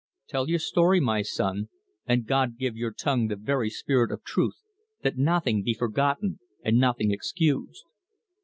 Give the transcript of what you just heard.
"Tell your story, my son, and God give your tongue the very spirit of truth, that nothing be forgotten and nothing excused."